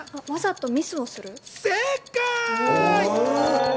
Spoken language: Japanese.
わざとミスをする？